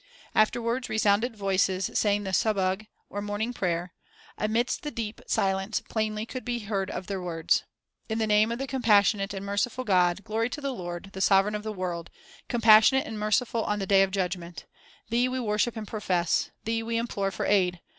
Afterwards resounded voices, saying the "soubhg," or morning prayer. Amidst the deep silence plainly could be heard their words: "In the name of the compassionate and merciful God. Glory to the Lord, the sovereign of the world, compassionate and merciful on the day of judgment. Thee we worship and profess. Thee we implore for aid.